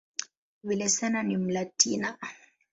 Villaseñor ni "Mlatina".